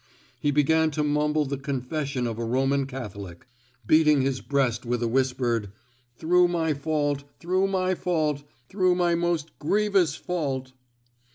He began to mumble the ^' confession of a Roman Catholic, beating ids breast with a whispered '* through my fault, through my fault, through my most grievous fault.''